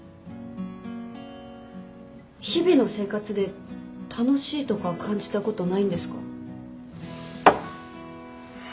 日々の生活で楽しいとか感じたことないんですか？